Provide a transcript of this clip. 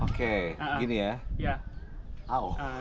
oke begini ya